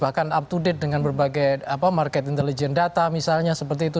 bahkan up to date dengan berbagai market intelligence data misalnya seperti itu